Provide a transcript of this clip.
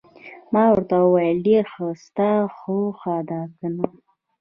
ما ورته وویل: ډېر ښه، ستا خوښه ده، که نه؟